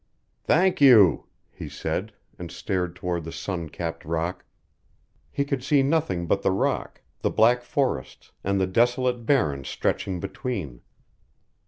"Thank you," he said, and stared toward the sun capped rock. He could see nothing but the rock, the black forests, and the desolate barren stretching between.